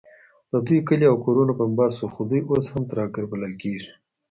د دوی کلي او کورونه بمبار سول، خو دوی اوس هم ترهګر بلل کیږي